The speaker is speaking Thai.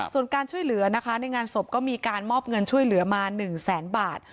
ส่วนการช่วยเหลือนะคะในงานศพก็มีการมอบเงินช่วยเหลือมา๑แสนบาท